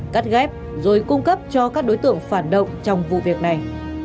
cắt ghép rồi cung cấp cho các đối tượng phản động trong vụ việc này